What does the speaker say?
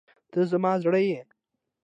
ته زما زړه یې.